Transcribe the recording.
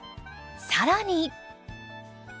更に。